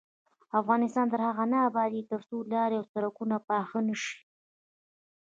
افغانستان تر هغو نه ابادیږي، ترڅو لارې او سرکونه پاخه نشي.